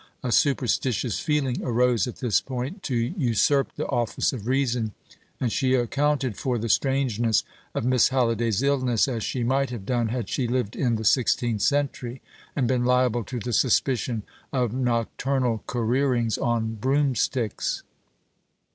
A superstitious feeling arose at this point, to usurp the office of reason, and she accounted for the strangeness of Miss Halliday's illness as she might have done had she lived in the sixteenth century, and been liable to the suspicion of nocturnal careerings on broomsticks.